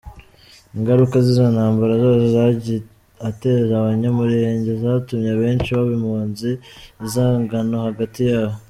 Ingaruka zizo ntambara zose yagiye ateza Abanyamulenge zatumye abenshi baba impunzi, inzangano hagati yabo.